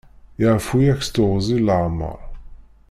Yeɛfu-yak s teɣwzi n leɛmeṛ.